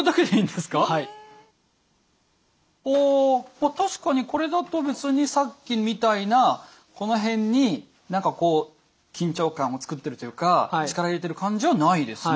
ああ確かにこれだと別にさっきみたいなこの辺に何かこう緊張感を作ってるというか力入れてる感じはないですね